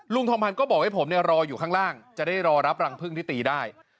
ทองพันธ์ก็บอกให้ผมรออยู่ข้างล่างจะได้รอรับรังพึ่งที่ตีได้